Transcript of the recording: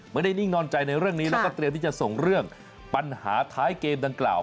นิ่งนอนใจในเรื่องนี้แล้วก็เตรียมที่จะส่งเรื่องปัญหาท้ายเกมดังกล่าว